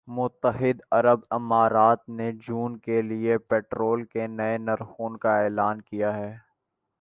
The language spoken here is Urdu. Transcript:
متحدہ عرب امارات نے جون کے لیے پٹرول کے نئے نرخوں کا اعلان کیا ہے